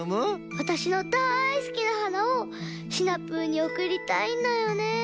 わたしのだいすきなはなをシナプーにおくりたいんだよね。